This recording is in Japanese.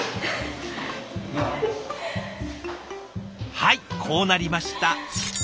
はいこうなりました。